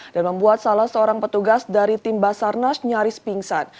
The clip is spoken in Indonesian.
dan membuat salah seorang petugas dari tim basarnas nyaris pingsan